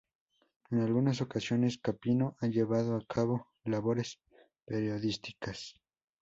En algunas ocasiones, Campino ha llevado a cabo labores periodísticas.